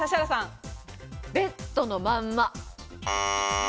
ベッドのまんま。